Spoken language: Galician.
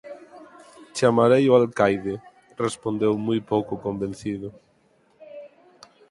Chamarei o alcaide −respondeu moi pouco convencido.